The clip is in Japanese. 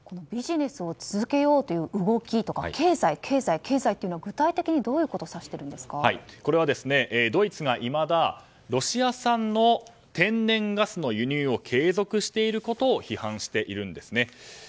ビジネスを続けようという動きとか経済、経済、経済というのは具体的にどんなことをこれはドイツがいまだロシア産の天然ガスの輸入を継続していることを批判しているんですね。